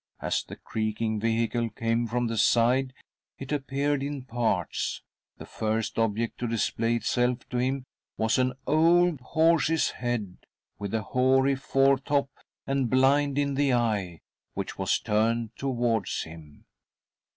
As the creaking vehicle came from the side, it appeared in parts. The first object to display itself to him was an old horse's head, with a hoary foretop and blind in the eye which was turned towards him.